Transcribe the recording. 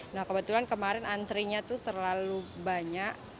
nah kebetulan kemarin antrenya tuh terlalu banyak